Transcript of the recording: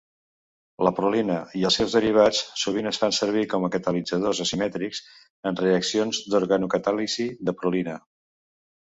La prolina i els seus derivats sovint es fan servir com a catalitzadors asimètrics en reaccions d'organocatàlisi de prolina.